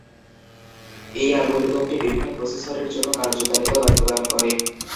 এই অ্যালগরিদমটি বিভিন্ন প্রসেসরের জন্য কার্যতালিকা বাস্তবায়ন করে।